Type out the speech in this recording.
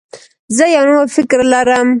زه یو نوی فکر لرم.